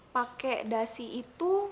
pake dasi itu